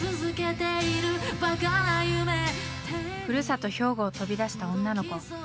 ふるさと兵庫を飛び出した女の子。